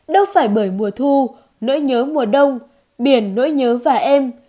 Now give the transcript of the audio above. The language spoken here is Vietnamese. đâu phải bởi mùa thu nỗi nhớ mùa đông biển nỗi nhớ và em